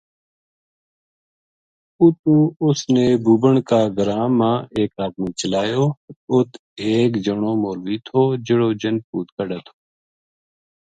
اُتو اس نے بُوبن کا گراں ما ایک ادمی چلایو اُت ایک جنو مولوی تھو جہڑو جِن بھُوت کُڈھے تھو